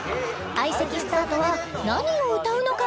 相席スタートは何を歌うのか？